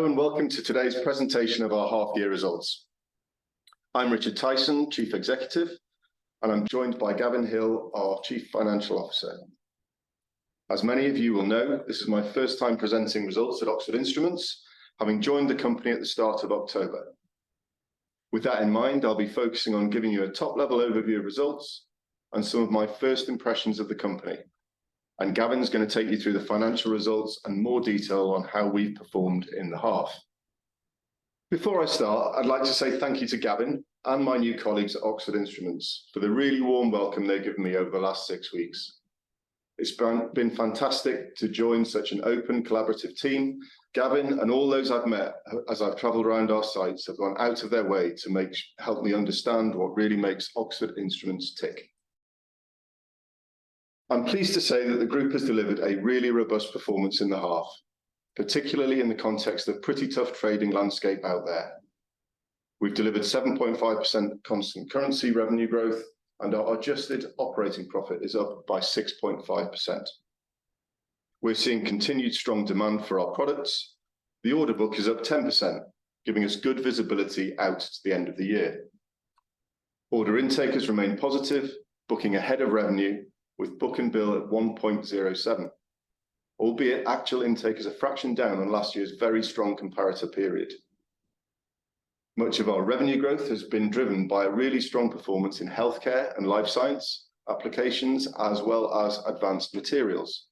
Hello, and welcome to today's presentation of our half year results. I'm Richard Tyson, Chief Executive, and I'm joined by Gavin Hill, our Chief Financial Officer. As many of you will know, this is my first time presenting results at Oxford Instruments, having joined the company at the start of October. With that in mind, I'll be focusing on giving you a top-level overview of results and some of my first impressions of the company, and Gavin is gonna take you through the financial results and more detail on how we performed in the half. Before I start, I'd like to say thank you to Gavin and my new colleagues at Oxford Instruments for the really warm welcome they've given me over the last six weeks. It's been fantastic to join such an open, collaborative team. Gavin and all those I've met as I've traveled around our sites, have gone out of their way to help me understand what really makes Oxford Instruments tick. I'm pleased to say that the group has delivered a really robust performance in the half, particularly in the context of pretty tough trading landscape out there. We've delivered 7.5% constant currency revenue growth, and our adjusted operating profit is up by 6.5%. We're seeing continued strong demand for our products. The order book is up 10%, giving us good visibility out to the end of the year. Order intake has remained positive, booking ahead of revenue with book-to-bill at 1.07, albeit actual intake is a fraction down on last year's very strong comparator period. Much of our revenue growth has been driven by a really strong performance in healthcare and life science applications, as well as advanced materials.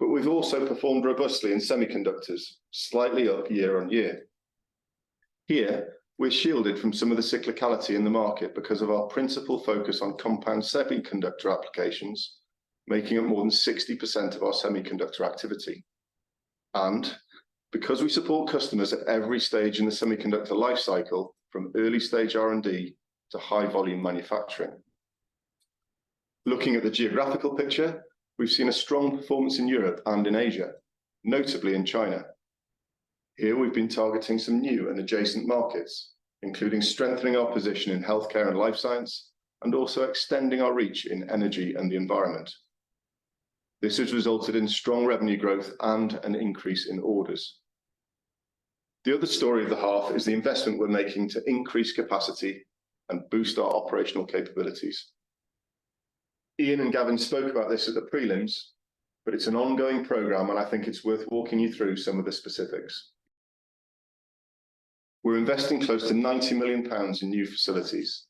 But we've also performed robustly in semiconductors, slightly up year-on-year. Here, we're shielded from some of the cyclicality in the market because of our principal focus on compound semiconductor applications, making up more than 60% of our semiconductor activity. And because we support customers at every stage in the semiconductor life cycle, from early stage R&D to high volume manufacturing. Looking at the geographical picture, we've seen a strong performance in Europe and in Asia, notably in China. Here we've been targeting some new and adjacent markets, including strengthening our position in healthcare and life science, and also extending our reach in energy and the environment. This has resulted in strong revenue growth and an increase in orders. The other story of the half is the investment we're making to increase capacity and boost our operational capabilities. Ian and Gavin spoke about this at the prelims, but it's an ongoing program, and I think it's worth walking you through some of the specifics. We're investing close to 90 million pounds in new facilities.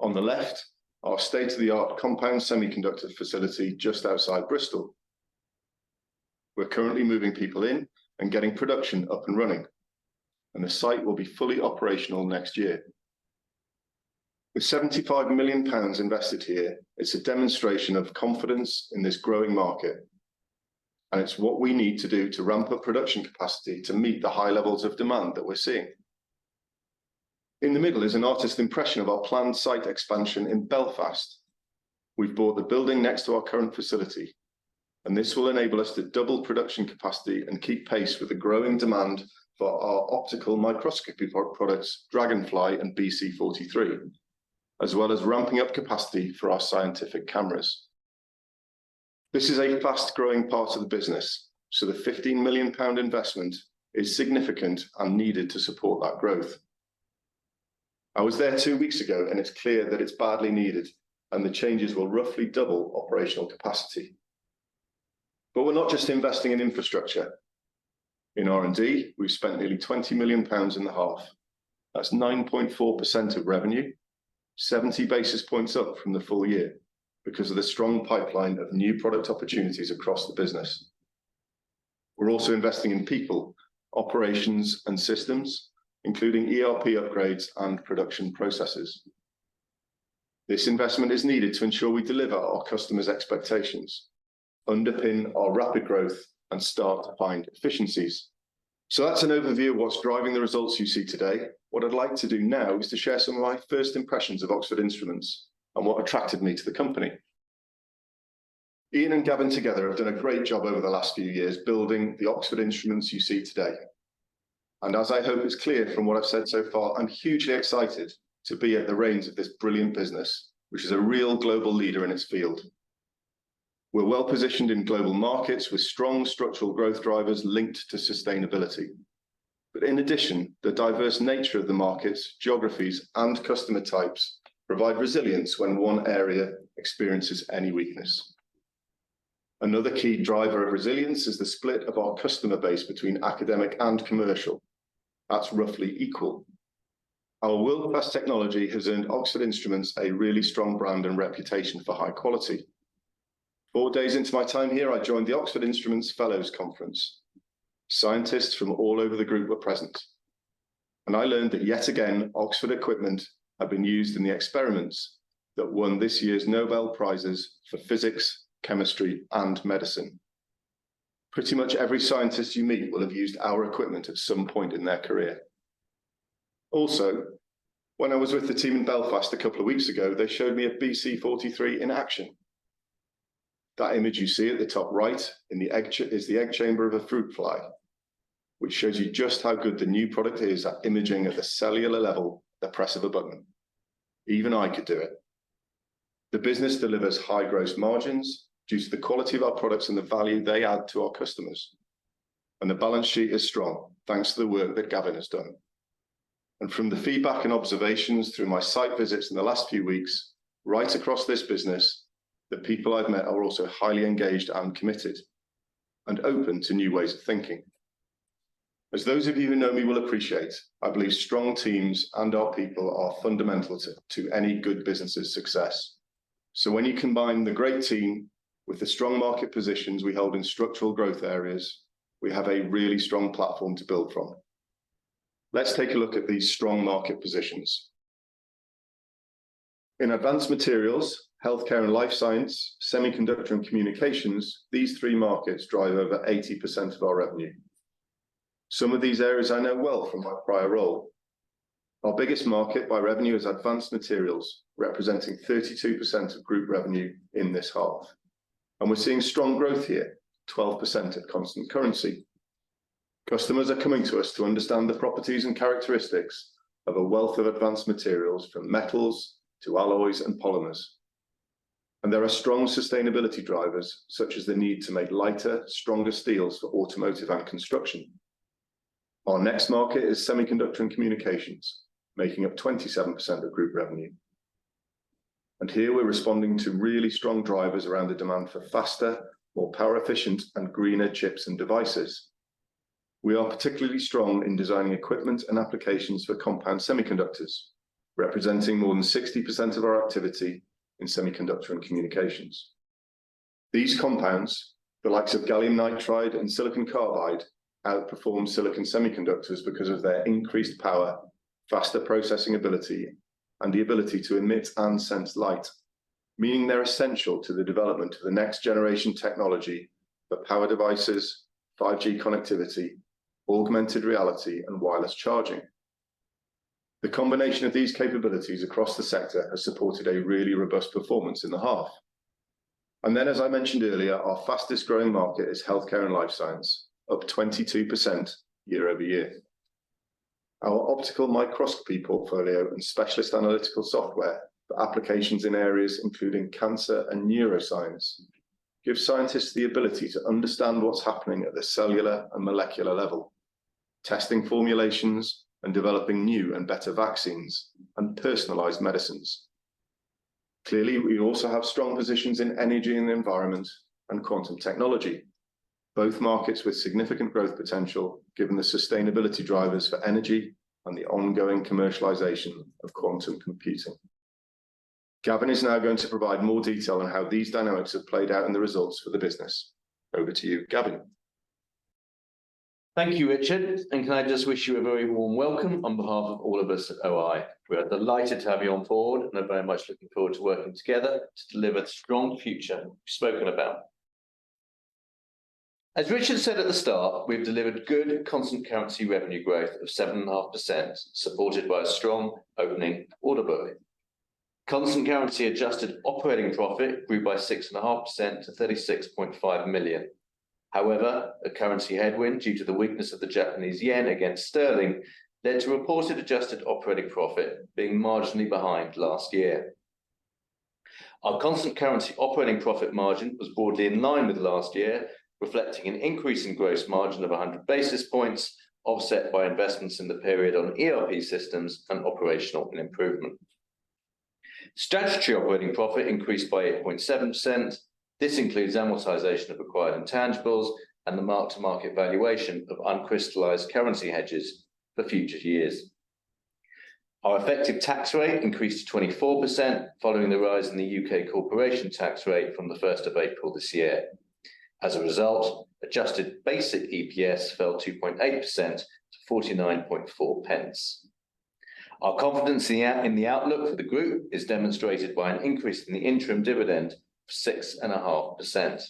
On the left, our state-of-the-art compound semiconductor facility just outside Bristol. We're currently moving people in and getting production up and running, and the site will be fully operational next year. With 75 million pounds invested here, it's a demonstration of confidence in this growing market, and it's what we need to do to ramp up production capacity to meet the high levels of demand that we're seeing. In the middle is an artist's impression of our planned site expansion in Belfast. We've bought the building next to our current facility, and this will enable us to double production capacity and keep pace with the growing demand for our optical microscopy products, Dragonfly and BC43, as well as ramping up capacity for our scientific cameras. This is a fast-growing part of the business, so the 15 million pound investment is significant and needed to support that growth. I was there two weeks ago, and it's clear that it's badly needed, and the changes will roughly double operational capacity. But we're not just investing in infrastructure. In R&D, we've spent nearly 20 million pounds in the half. That's 9.4% of revenue, 70 basis points up from the full year because of the strong pipeline of new product opportunities across the business. We're also investing in people, operations, and systems, including ERP upgrades and production processes. This investment is needed to ensure we deliver our customers' expectations, underpin our rapid growth, and start to find efficiencies. That's an overview of what's driving the results you see today. What I'd like to do now is to share some of my first impressions of Oxford Instruments and what attracted me to the company. Ian and Gavin together have done a great job over the last few years building the Oxford Instruments you see today. As I hope is clear from what I've said so far, I'm hugely excited to be at the reins of this brilliant business, which is a real global leader in its field. We're well positioned in global markets with strong structural growth drivers linked to sustainability. In addition, the diverse nature of the markets, geographies, and customer types provide resilience when one area experiences any weakness. Another key driver of resilience is the split of our customer base between academic and commercial. That's roughly equal. Our world-class technology has earned Oxford Instruments a really strong brand and reputation for high quality. Four days into my time here, I joined the Oxford Instruments Fellows Conference. Scientists from all over the group were present, and I learned that yet again, Oxford equipment have been used in the experiments that won this year's Nobel Prizes for Physics, Chemistry, and Medicine. Pretty much every scientist you meet will have used our equipment at some point in their career. Also, when I was with the team in Belfast a couple of weeks ago, they showed me a BC43 in action. That image you see at the top right in the egg is the egg chamber of a fruit fly, which shows you just how good the new product is at imaging at the cellular level, the press of a button. Even I could do it! The business delivers high gross margins due to the quality of our products and the value they add to our customers. The balance sheet is strong, thanks to the work that Gavin has done. From the feedback and observations through my site visits in the last few weeks, right across this business, the people I've met are also highly engaged and committed, and open to new ways of thinking. As those of you who know me will appreciate, I believe strong teams and our people are fundamental to any good business's success. So when you combine the great team with the strong market positions we hold in structural growth areas, we have a really strong platform to build from. Let's take a look at these strong market positions. In advanced materials, healthcare and life science, semiconductor and communications, these three markets drive over 80% of our revenue. Some of these areas I know well from my prior role. Our biggest market by revenue is advanced materials, representing 32% of group revenue in this half, and we're seeing strong growth here, 12% at constant currency. Customers are coming to us to understand the properties and characteristics of a wealth of advanced materials, from metals to alloys and polymers. And there are strong sustainability drivers, such as the need to make lighter, stronger steels for automotive and construction. Our next market is semiconductor and communications, making up 27% of group revenue. Here we're responding to really strong drivers around the demand for faster, more power efficient, and greener chips and devices. We are particularly strong in designing equipment and applications for compound semiconductors, representing more than 60% of our activity in semiconductor and communications. These compounds, the likes of gallium nitride and silicon carbide, outperform silicon semiconductors because of their increased power, faster processing ability, and the ability to emit and sense light, meaning they're essential to the development of the next generation technology for power devices, 5G connectivity, augmented reality, and wireless charging. The combination of these capabilities across the sector has supported a really robust performance in the half. Then, as I mentioned earlier, our fastest growing market is healthcare and life science, up 22% year-over-year. Our optical microscopy portfolio and specialist analytical software for applications in areas including cancer and neuroscience give scientists the ability to understand what's happening at the cellular and molecular level, testing formulations and developing new and better vaccines and personalized medicines. Clearly, we also have strong positions in energy and the environment and quantum technology, both markets with significant growth potential, given the sustainability drivers for energy and the ongoing commercialization of quantum computing. Gavin is now going to provide more detail on how these dynamics have played out in the results for the business. Over to you, Gavin. Thank you, Richard, and can I just wish you a very warm welcome on behalf of all of us at OI. We are delighted to have you on board, and are very much looking forward to working together to deliver the strong future we've spoken about. As Richard said at the start, we've delivered good constant currency revenue growth of 7.5%, supported by a strong opening order book. Constant currency adjusted operating profit grew by 6.5% to 36.5 million. However, a currency headwind, due to the weakness of the Japanese yen against sterling, led to a reported adjusted operating profit being marginally behind last year. Our constant currency operating profit margin was broadly in line with last year, reflecting an increase in gross margin of 100 basis points, offset by investments in the period on ERP systems and operational improvement. Statutory operating profit increased by 8.7%. This includes amortization of acquired intangibles and the mark-to-market valuation of uncrystallized currency hedges for future years. Our effective tax rate increased to 24%, following the rise in the U.K. corporation tax rate from the first of April this year. As a result, adjusted basic EPS fell 2.8% to 0.494. Our confidence in the outlook for the group is demonstrated by an increase in the interim dividend of 6.5%.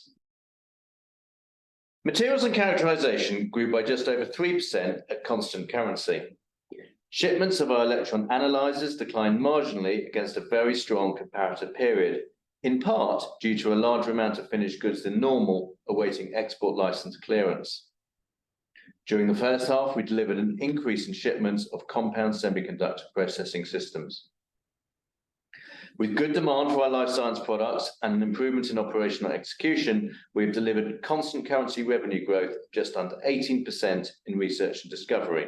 Materials and Characterization grew by just over 3% at constant currency. Shipments of our electron analyzers declined marginally against a very strong comparative period, in part due to a larger amount of finished goods than normal, awaiting export license clearance. During the first half, we delivered an increase in shipments of compound semiconductor processing systems. With good demand for our life science products and an improvement in operational execution, we've delivered constant currency revenue growth of just under 18% in Research and Discovery.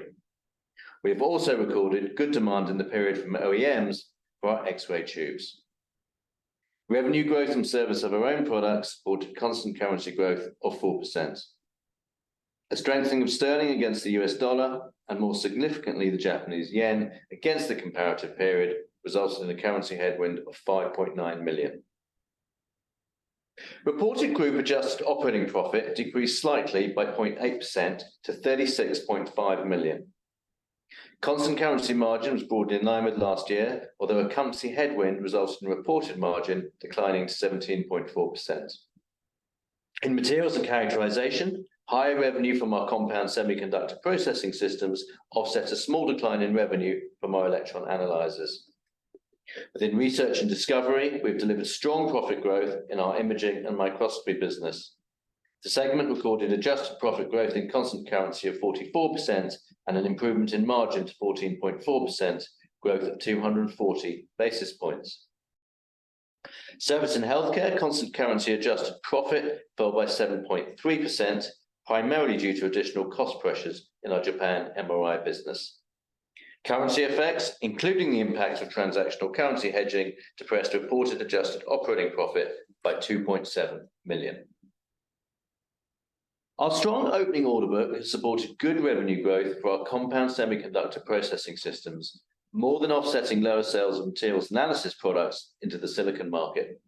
We've also recorded good demand in the period from OEMs for our X-ray tubes. Revenue growth from service of our own products supported constant currency growth of 4%. A strengthening of sterling against the U.S. dollar, and more significantly, the Japanese yen against the comparative period, resulted in a currency headwind of 5.9 million. Reported group adjusted operating profit decreased slightly by 0.8% to 36.5 million. Constant currency margin was broadly in line with last year, although a currency headwind resulted in reported margin declining to 17.4%. In Materials and Characterization, higher revenue from our compound semiconductor processing systems offsets a small decline in revenue from our electron analyzers. Within Research and Discovery, we've delivered strong profit growth in our imaging and microscopy business.... The segment recorded adjusted profit growth in constant currency of 44% and an improvement in margin to 14.4%, growth of 240 basis points. Service and Healthcare constant currency adjusted profit fell by 7.3%, primarily due to additional cost pressures in our Japan MRI business. Currency effects, including the impact of transactional currency hedging, depressed reported adjusted operating profit by 2.7 million. Our strong opening order book has supported good revenue growth for our compound semiconductor processing systems, more than offsetting lower sales of materials analysis products into the silicon market.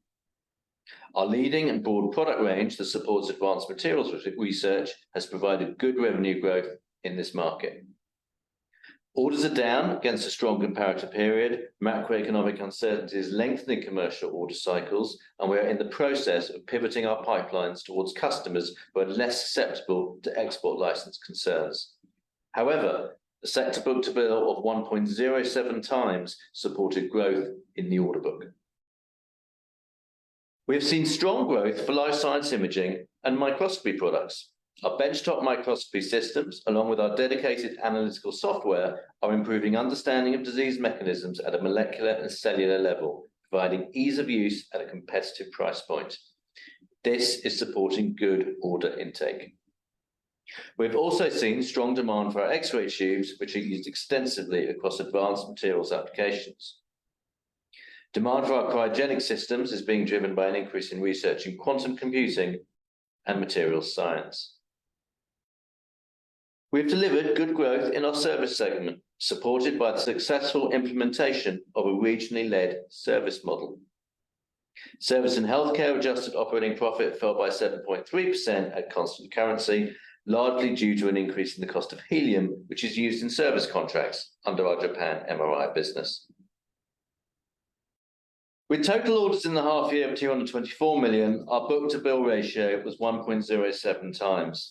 Our leading and broad product range that supports advanced materials research has provided good revenue growth in this market. Orders are down against a strong comparator period. Macroeconomic uncertainties lengthening commercial order cycles, and we are in the process of pivoting our pipelines towards customers who are less susceptible to export license concerns. However, the sector book-to-bill of 1.07x supported growth in the order book. We have seen strong growth for life science imaging and microscopy products. Our benchtop microscopy systems, along with our dedicated analytical software, are improving understanding of disease mechanisms at a molecular and cellular level, providing ease of use at a competitive price point. This is supporting good order intake. We've also seen strong demand for our X-ray tubes, which are used extensively across advanced materials applications. Demand for our cryogenic systems is being driven by an increase in research in quantum computing and materials science. We've delivered good growth in our service segment, supported by the successful implementation of a regionally led service model. Service and Healthcare adjusted operating profit fell by 7.3% at constant currency, largely due to an increase in the cost of helium, which is used in service contracts under our Japan MRI business. With total orders in the half year of 224 million, our book-to-bill ratio was 1.07x.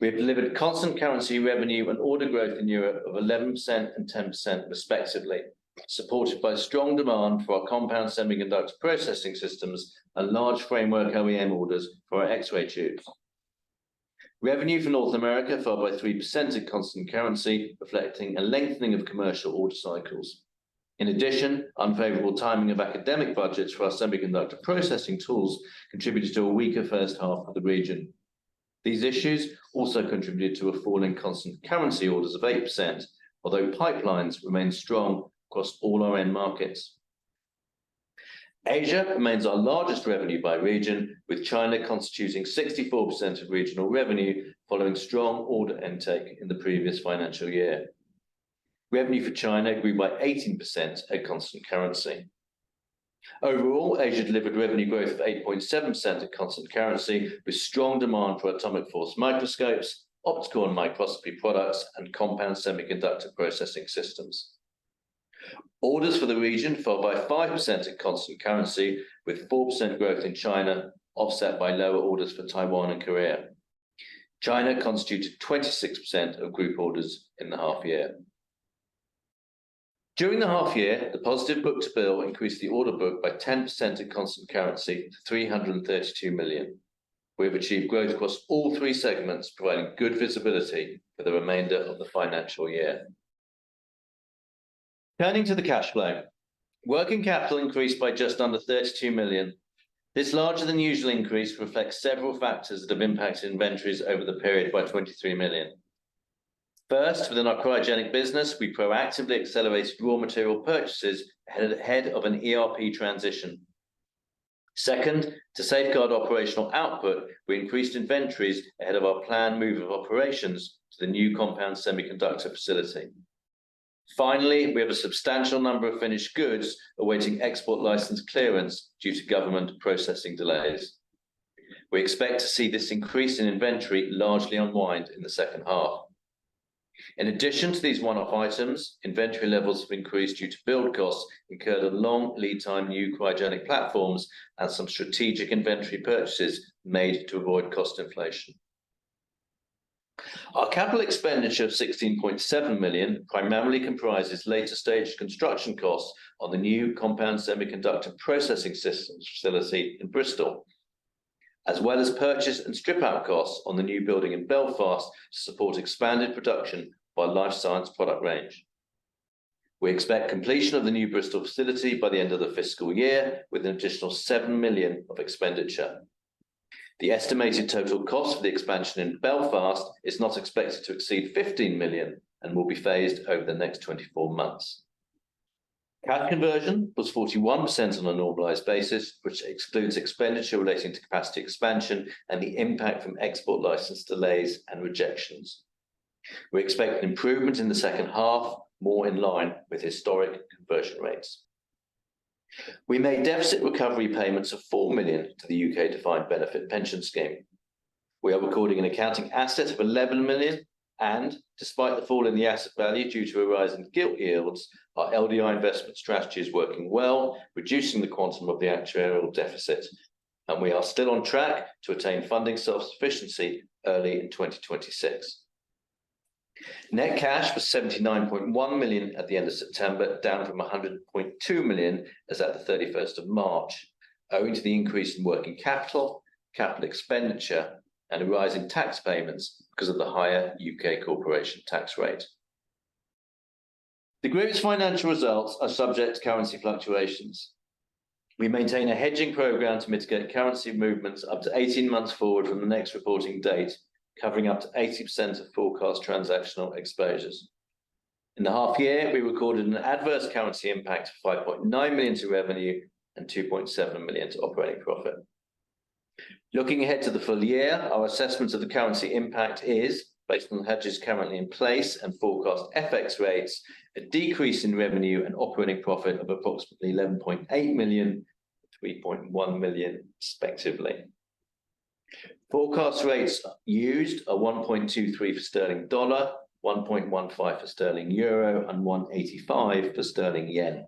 We have delivered constant currency revenue and order growth in Europe of 11% and 10% respectively, supported by strong demand for our compound semiconductor processing systems and large framework OEM orders for our X-ray tubes. Revenue for North America fell by 3% at constant currency, reflecting a lengthening of commercial order cycles. In addition, unfavorable timing of academic budgets for our semiconductor processing tools contributed to a weaker first half of the region. These issues also contributed to a fall in constant currency orders of 8%, although pipelines remain strong across all our end markets. Asia remains our largest revenue by region, with China constituting 64% of regional revenue following strong order intake in the previous financial year. Revenue for China grew by 18% at constant currency. Overall, Asia delivered revenue growth of 8.7% at constant currency, with strong demand for atomic force microscopes, optical and microscopy products, and compound semiconductor processing systems. Orders for the region fell by 5% at constant currency, with 4% growth in China, offset by lower orders for Taiwan and Korea. China constituted 26% of group orders in the half year. During the half year, the positive book-to-bill increased the order book by 10% at constant currency to 332 million. We have achieved growth across all three segments, providing good visibility for the remainder of the financial year. Turning to the cash flow, working capital increased by just under 32 million. This larger than usual increase reflects several factors that have impacted inventories over the period by 23 million. First, within our cryogenic business, we proactively accelerated raw material purchases ahead of an ERP transition. Second, to safeguard operational output, we increased inventories ahead of our planned move of operations to the new compound semiconductor facility. Finally, we have a substantial number of finished goods awaiting export license clearance due to government processing delays. We expect to see this increase in inventory largely unwind in the second half. In addition to these one-off items, inventory levels have increased due to build costs incurred on long lead time, new cryogenic platforms and some strategic inventory purchases made to avoid cost inflation. Our capital expenditure of 16.7 million primarily comprises later stage construction costs on the new compound semiconductor processing systems facility in Bristol, as well as purchase and strip out costs on the new building in Belfast to support expanded production by life science product range. We expect completion of the new Bristol facility by the end of the fiscal year, with an additional 7 million of expenditure. The estimated total cost of the expansion in Belfast is not expected to exceed 15 million and will be phased over the next 24 months. Cash conversion was 41% on a normalized basis, which excludes expenditure relating to capacity expansion and the impact from export license delays and rejections. We expect an improvement in the second half, more in line with historic conversion rates. We made deficit recovery payments of 4 million to the U.K. Defined Benefit Pension Scheme. We are recording an accounting asset of 11 million, and despite the fall in the asset value due to a rise in gilt yields, our LDI investment strategy is working well, reducing the quantum of the actuarial deficit, and we are still on track to attain funding self-sufficiency early in 2026. Net cash was 79.1 million at the end of September, down from 100.2 million as at the 31st of March, owing to the increase in working capital, capital expenditure, and a rise in tax payments because of the higher U.K. corporation tax rate. The group's financial results are subject to currency fluctuations. We maintain a hedging program to mitigate currency movements up to 18 months forward from the next reporting date, covering up to 80% of forecast transactional exposures. In the half year, we recorded an adverse currency impact of 5.9 million to revenue and 2.7 million to operating profit. Looking ahead to the full year, our assessment of the currency impact is, based on the hedges currently in place and forecast FX rates, a decrease in revenue and operating profit of approximately 11.8 million, 3.1 million, respectively. Forecast rates used are 1.23 for sterling dollar, 1.15 for sterling euro, and 185 for sterling yen.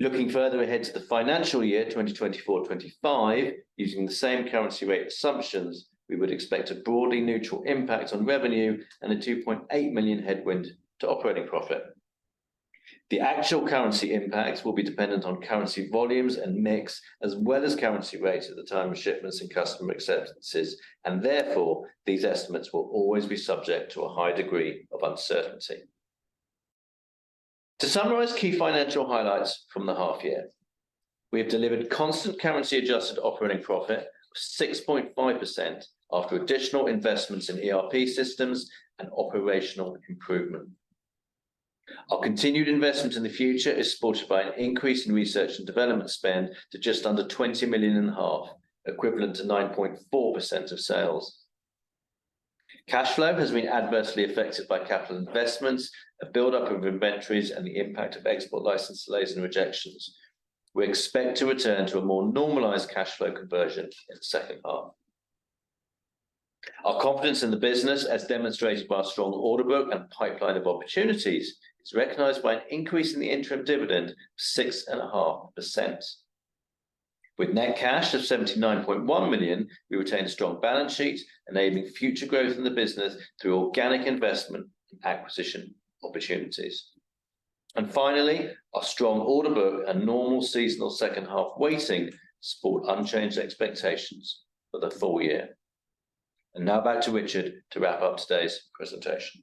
Looking further ahead to the financial year 2024-2025, using the same currency rate assumptions, we would expect a broadly neutral impact on revenue and a 2.8 million headwind to operating profit. The actual currency impacts will be dependent on currency volumes and mix, as well as currency rates at the time of shipments and customer acceptances, and therefore, these estimates will always be subject to a high degree of uncertainty. To summarize key financial highlights from the half year, we have delivered constant currency-adjusted operating profit of 6.5% after additional investments in ERP systems and operational improvement. Our continued investment in the future is supported by an increase in research and development spend to just under 20.5 million, equivalent to 9.4% of sales. Cash flow has been adversely affected by capital investments, a buildup of inventories, and the impact of export license delays and rejections. We expect to return to a more normalized cash flow conversion in the second half. Our confidence in the business, as demonstrated by our strong order book and pipeline of opportunities, is recognized by an increase in the interim dividend of 6.5%. With net cash of 79.1 million, we retain a strong balance sheet, enabling future growth in the business through organic investment and acquisition opportunities. And finally, our strong order book and normal seasonal second half weighting support unchanged expectations for the full year. And now back to Richard to wrap up today's presentation.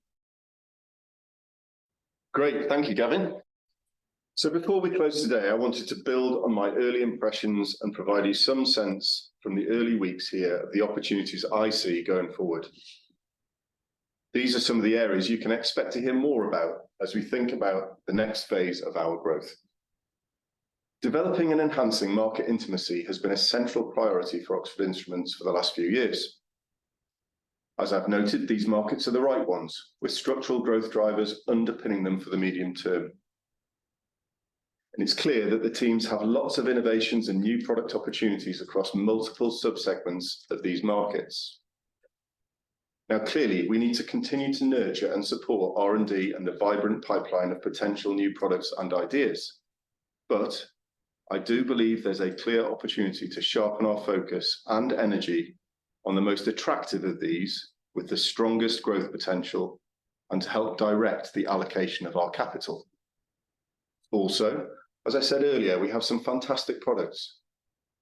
Great. Thank you, Gavin. So before we close today, I wanted to build on my early impressions and provide you some sense from the early weeks here of the opportunities I see going forward. These are some of the areas you can expect to hear more about as we think about the next phase of our growth. Developing and enhancing market intimacy has been a central priority for Oxford Instruments for the last few years. As I've noted, these markets are the right ones, with structural growth drivers underpinning them for the medium term. And it's clear that the teams have lots of innovations and new product opportunities across multiple subsegments of these markets. Now, clearly, we need to continue to nurture and support R&D and the vibrant pipeline of potential new products and ideas. But I do believe there's a clear opportunity to sharpen our focus and energy on the most attractive of these, with the strongest growth potential, and to help direct the allocation of our capital. Also, as I said earlier, we have some fantastic products.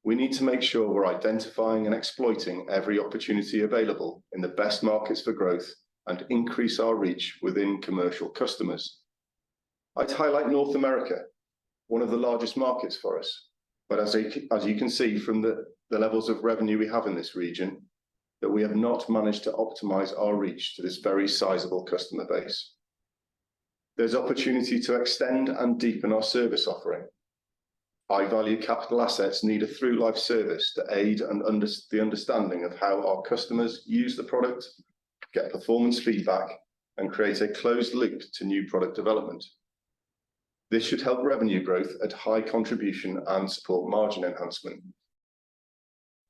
We need to make sure we're identifying and exploiting every opportunity available in the best markets for growth and increase our reach within commercial customers. I'd highlight North America, one of the largest markets for us, but as you can see from the levels of revenue we have in this region, that we have not managed to optimize our reach to this very sizable customer base. There's opportunity to extend and deepen our service offering. High-value capital assets need a through-life service to aid and underpin the understanding of how our customers use the product, get performance feedback, and create a closed loop to new product development. This should help revenue growth at high contribution and support margin enhancement.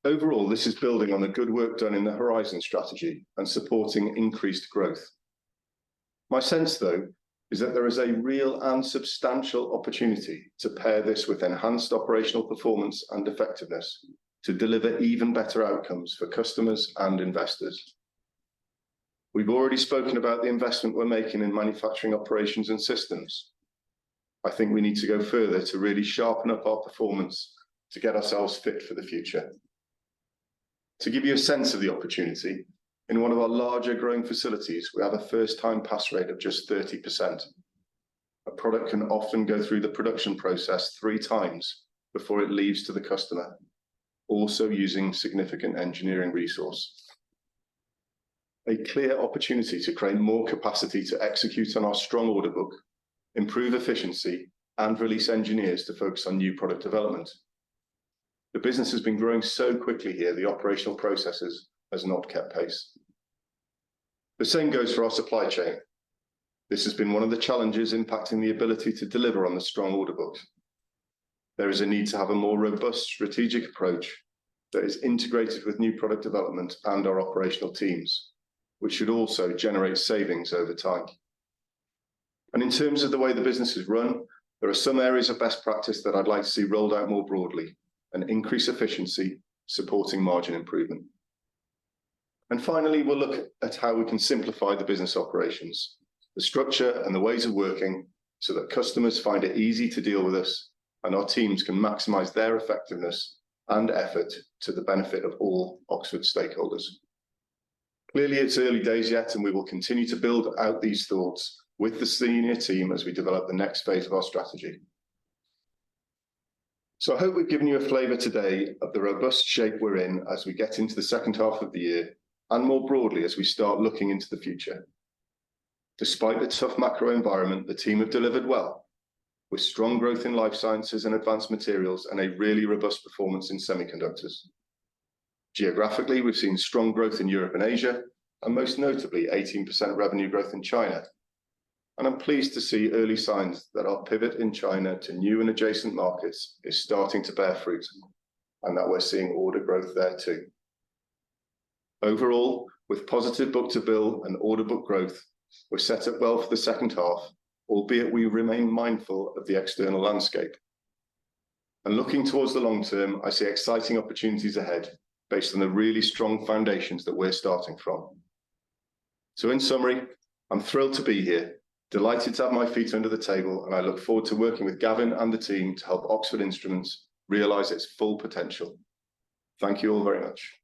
Overall, this is building on the good work done in the Horizon strategy and supporting increased growth. My sense, though, is that there is a real and substantial opportunity to pair this with enhanced operational performance and effectiveness to deliver even better outcomes for customers and investors. We've already spoken about the investment we're making in manufacturing operations and systems. I think we need to go further to really sharpen up our performance to get ourselves fit for the future. To give you a sense of the opportunity, in one of our larger growing facilities, we have a first-time pass rate of just 30%. A product can often go through the production process three times before it leaves to the customer, also using significant engineering resource. A clear opportunity to create more capacity to execute on our strong order book, improve efficiency, and release engineers to focus on new product development. The business has been growing so quickly here, the operational processes has not kept pace. The same goes for our supply chain. This has been one of the challenges impacting the ability to deliver on the strong order book. There is a need to have a more robust strategic approach that is integrated with new product development and our operational teams, which should also generate savings over time. In terms of the way the business is run, there are some areas of best practice that I'd like to see rolled out more broadly and increase efficiency, supporting margin improvement. Finally, we'll look at how we can simplify the business operations, the structure and the ways of working, so that customers find it easy to deal with us, and our teams can maximize their effectiveness and effort to the benefit of all Oxford stakeholders. Clearly, it's early days yet, and we will continue to build out these thoughts with the senior team as we develop the next phase of our strategy. I hope we've given you a flavor today of the robust shape we're in as we get into the second half of the year, and more broadly, as we start looking into the future. Despite the tough macro environment, the team have delivered well, with strong growth in life sciences and advanced materials, and a really robust performance in semiconductors. Geographically, we've seen strong growth in Europe and Asia, and most notably, 18% revenue growth in China. I'm pleased to see early signs that our pivot in China to new and adjacent markets is starting to bear fruit, and that we're seeing order growth there, too. Overall, with positive book-to-bill and order book growth, we're set up well for the second half, albeit we remain mindful of the external landscape. Looking towards the long term, I see exciting opportunities ahead based on the really strong foundations that we're starting from. In summary, I'm thrilled to be here, delighted to have my feet under the table, and I look forward to working with Gavin and the team to help Oxford Instruments realize its full potential. Thank you all very much.